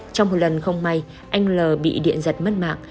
trong một lần không may anh l bị điện giật mất mạng